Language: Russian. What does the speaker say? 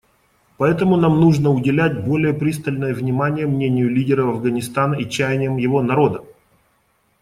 Поэтому нам нужно уделять более пристальное внимание мнению лидеров Афганистана и чаяниям его народа.